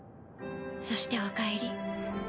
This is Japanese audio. そしておかえり。